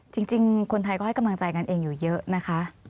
จริงคนไทยก็ให้กำลังใจกันเองอยู่เยอะนะคะ